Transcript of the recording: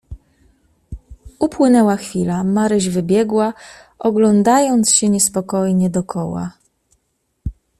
"Upłynęła chwila, Maryś, wybiegła oglądając się niespokojnie dokoła."